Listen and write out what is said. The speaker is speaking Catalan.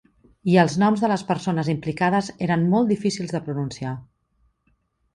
I els noms de les persones implicades eren molt difícils de pronunciar.